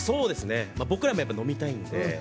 僕らも飲みたいんで。